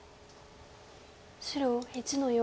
白１の四。